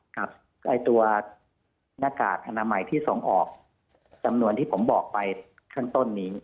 กับตัวหน้ากากอนามัยที่ส่งออกจำนวนที่ผมบอกไปข้างต้นนี้